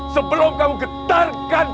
sebelum kamu getarkan kalipatan ini